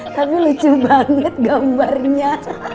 tapi lucu banget gambarnya